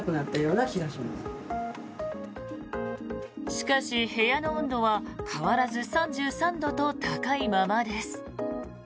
しかし、部屋の温度は変わらず３３度と高いままです。